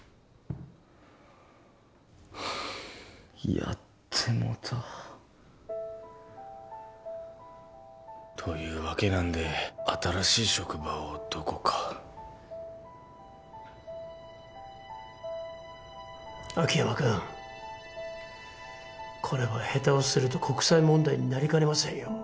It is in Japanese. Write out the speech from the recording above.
やってもたというわけなんで新しい職場をどこか秋山君これは下手をすると国際問題になりかねませんよ